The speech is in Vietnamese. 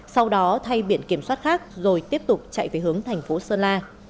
sau đó thay biển kiểm soát khác rồi tiếp tục chạy về hướng thành phố sơn la